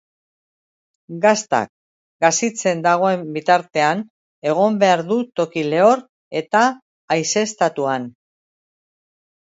Gaztak, gazitzen dagoen bitartean, egon behar du toki lehor eta haizeztatuan.